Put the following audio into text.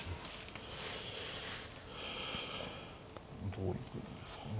どう行くんですかね。